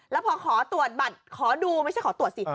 แล้วพอขอตรวจบัตรขอดูไม่ใช่ขอตรวจสิ